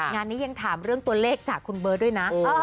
งานนี้ยังถามเรื่องตัวเลขจากคุณเบิร์ตด้วยนะ